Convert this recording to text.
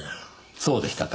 そうでしたか。